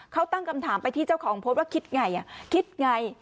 เขาตั้งคำถามไปที่เจ้าของโพสต์ว่าคิดไงคิดไง